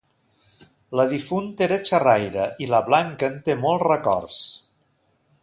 La difunta era xerraire i la Blanca en té molts records.